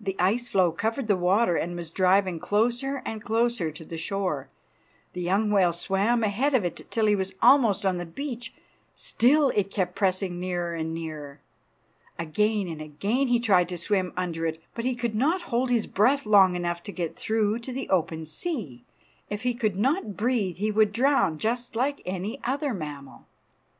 The ice floe covered the water and was driving closer and closer to the shore. The young whale swam ahead of it till he was almost on the beach. Still it kept pressing nearer and nearer. Again and again he tried to swim under it, but he could not hold his breath long enough to get through to the open sea. If he could not breathe he would drown, just like any other mammal.